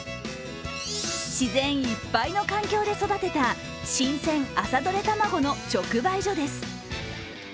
自然いっぱいの環境で育てた新鮮朝どれ卵の直売所です。